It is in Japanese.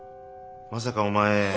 まさかお前。